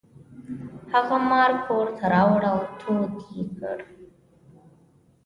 هغه مار کور ته راوړ او تود یې کړ.